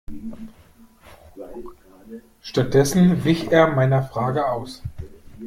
Stattdessen wich er meiner Frage aus.